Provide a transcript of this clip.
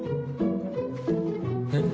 えっ？